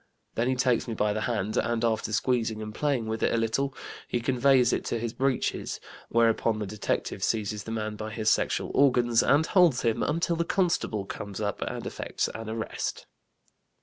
Then he takes me by the hand, and after squeezing and playing with it a little, he conveys it to his breeches," whereupon the detective seizes the man by his sexual organs and holds him until the constable comes up and effects an arrest.